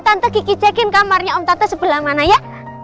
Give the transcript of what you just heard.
tante kiki cekin kamarnya om tante sebelah mana ya